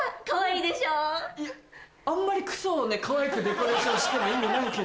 いやあんまり「ＫＵＳＯ」をかわいくデコレーションしても意味ないけど。